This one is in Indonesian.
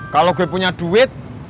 kalau gue punya duit